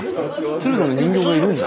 鶴瓶さんの人形がいるんだ。